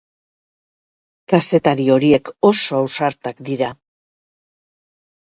Kazetari horiek oso ausartak dira.